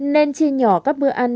nên chia nhỏ các bữa ăn